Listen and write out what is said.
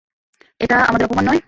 এটা আমাদের অপমান নয়?